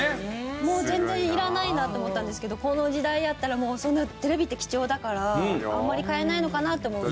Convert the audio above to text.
もう全然いらないなって思ったんですけどこの時代やったらもうそんなテレビって貴重だからあんまり買えないのかなって思うと。